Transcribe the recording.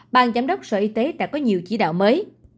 ban giám đốc sở y tế đã có nhiều chỉ đạo mới